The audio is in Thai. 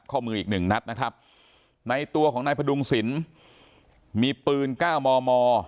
ข้อมืออีกหนึ่งนัดนะครับในตัวของนายพดุงศิลป์มีปืนเก้ามอมอ